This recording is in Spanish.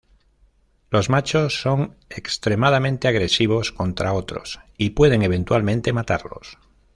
Los machos son extremadamente agresivos contra otros, y pueden eventualmente matarlos.